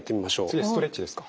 次はストレッチですか。